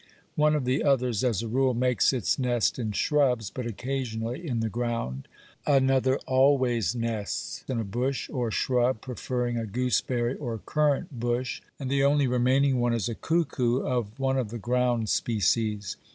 One of the others as a rule makes its nest in shrubs, but occasionally in the ground, another always nests in a bush or shrub, preferring a gooseberry or currant bush, and the only remaining one is a cuckoo of one of the ground species.